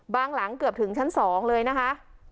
หลังเกือบถึงชั้น๒เลยนะคะ